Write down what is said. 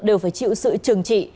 đều phải chịu sự trừng trị